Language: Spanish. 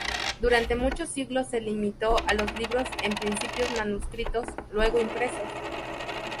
Durante muchos siglos se limitó a los libros en principio manuscritos, luego impresos.